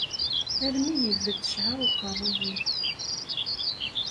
Armi ibedd ccɛer uqerru-iw.